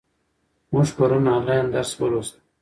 موږ پرون آنلاین درس ولوست.